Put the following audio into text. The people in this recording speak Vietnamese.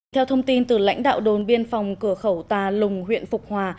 theo thông tin từ lãnh đạo đồn biên phòng cửa khẩu tà lùng huyện phục hòa